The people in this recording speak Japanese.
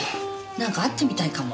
何か会ってみたいかも。